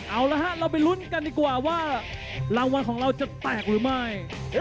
เอาละฮะเราไปลุ้นกันดีกว่าว่ารางวัลของเราจะแตกหรือไม่